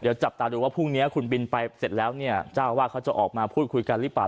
เดี๋ยวจับตาดูว่าพรุ่งนี้คุณบินไปเสร็จแล้วเนี่ยเจ้าว่าเขาจะออกมาพูดคุยกันหรือเปล่า